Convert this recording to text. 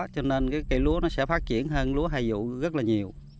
cho nên cây lúa nó sẽ phát triển hơn lúa hai dụ rất là nhiều